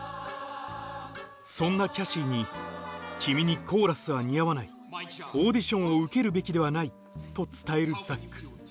そんなキャシーに「君にコーラスは似合わないオーディションを受けるべきではない」と伝えるザック